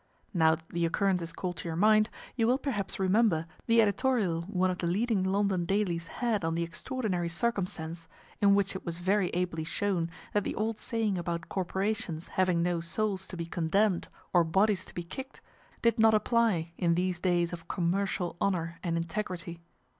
Now that the occurrence is called to your mind, you will perhaps remember the editorial one of the leading London dailies had on the extraordinary circumstance, in which it was very ably shown that the old saying about corporations having no souls to be condemned or bodies to be kicked did not apply in these days of commercial honour and integrity.